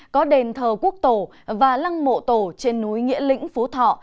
có đền thờ quốc tổ và lăng mộ tổ trên núi nghĩa lĩnh phú thọ